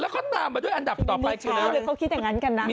ขอว่าเขาคิดแบบนั้นกันน่ะ